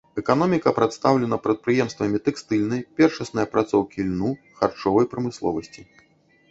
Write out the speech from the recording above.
Эканоміка прадстаўлена прадпрыемствамі тэкстыльнай, першаснай апрацоўкі льну, харчовай прамысловасці.